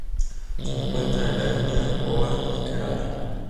Se encuentra en la India: Goa y Kerala.